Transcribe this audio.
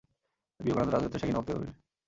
বিবে কানন্দ আজ রাত্রে স্যাগিনে বক্তৃতা করিবেন।